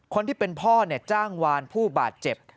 คนที่เป็นพ่อจ้างวานผู้บาดเจ็บ